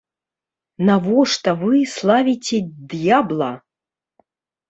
Навошта вы славіце д'ябла?